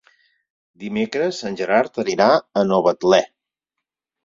Dimecres en Gerard anirà a Novetlè.